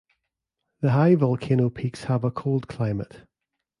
The high volcano peaks have a cold climate.